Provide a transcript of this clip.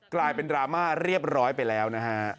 กลายเป็นดราม่าเรียบร้อยไปแล้วนะฮะ